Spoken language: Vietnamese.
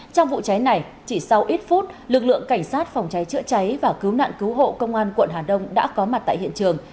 trong vụ cháy này chỉ sau ít phút lực lượng cảnh sát phòng cháy chữa cháy và cứu nạn cứu hộ công an quận hà đông đã có mặt tại hiện trường